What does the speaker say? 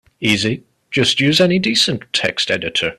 Easy, just use any decent text editor.